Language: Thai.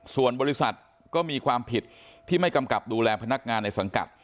ส่วนบริษัทก็มีความผิดที่ไม่กำกับดูแลพนักงานในสังกัด